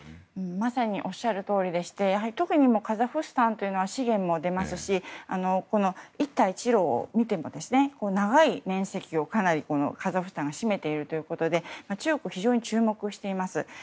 まさにおっしゃるとおりでカザフスタンというのは資源も出ますし一帯一路を見ても長い面積をカザフスタンが占めているということで中国は非常に注目しています。